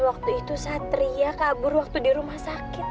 waktu itu satria kabur waktu di rumah sakit